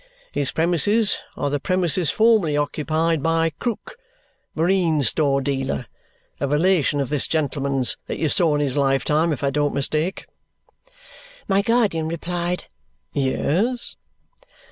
His premises are the premises formerly occupied by Krook, marine store dealer a relation of this gentleman's that you saw in his lifetime if I don't mistake?" My guardian replied, "Yes."